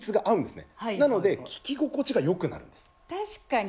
確かに。